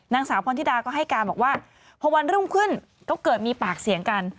นางสาวพรธิดาก็ให้การบอกว่าพอวันรุ่งขึ้นก็เกิดมีปากเสียงกัน